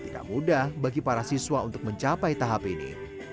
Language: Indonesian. tidak mudah bagi para siswa untuk mencapai tahap ini